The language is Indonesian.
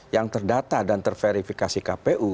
yang terdata dan terverifikasi kpu